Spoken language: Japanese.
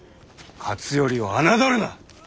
勝頼を侮るな！